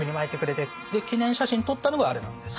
で記念写真撮ったのがあれなんです。